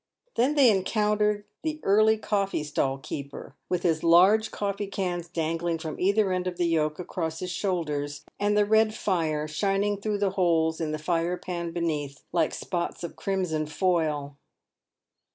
Then they encountered the early coffee stall keeper, with his large coffee cans dangling from either end of the yoke across his shoulders, and the red fire shining through the holes in the fire pan beneath, like spots of crimson foil.